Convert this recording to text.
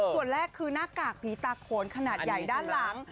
ส่วนแรกคือหน้ากากผีตาโขนขนาดใหญ่ด้านหลัง